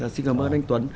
xin cảm ơn anh tuấn